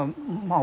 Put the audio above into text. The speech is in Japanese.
あ